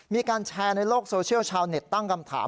มีการแชร์ในโลกโซเชียลชาวเน็ตตั้งคำถาม